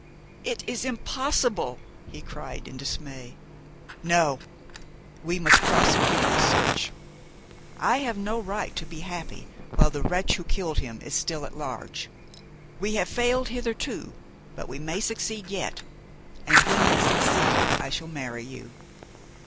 "It is impossible!" he cried in dismay. "No. We must prosecute the search. I have no right to be happy while the wretch who killed him is still at large. We have failed hitherto, but we may succeed yet! and when we succeed I shall marry you."